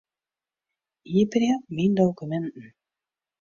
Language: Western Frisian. Iepenje Myn dokuminten.